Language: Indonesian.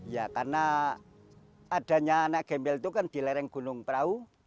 ya karena adanya anak gembel itu kan di lereng gunung perahu